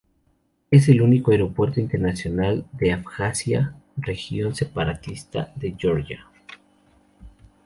Es el único aeropuerto internacional de Abjasia, región separatista de Georgia.